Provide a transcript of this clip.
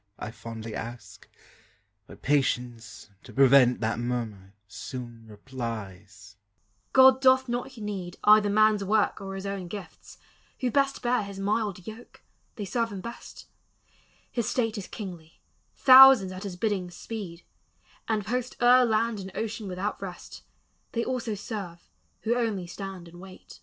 I fondly ask. But Patience, to prevent That murmur, soon replies, "God doth not need Either man's work or his own gifts; who best Bear his mild yoke, they serve him best: his state Is kingly; thousands at his bidding speed, And post o'er land and ocean without rest; They also serve who only stand and wait."